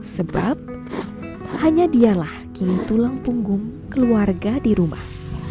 sebab hanya dialah kini tulang punggung keluarga di rumah